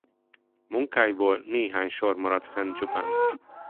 Munkáiból néhány sor maradt fenn csupán.